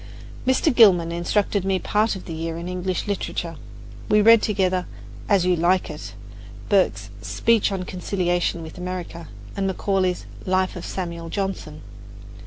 Mr. Gilman instructed me part of the year in English literature. We read together, "As You Like It," Burke's "Speech on Conciliation with America," and Macaulay's "Life of Samuel Johnson."